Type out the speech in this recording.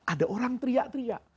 ada orang teriak teriak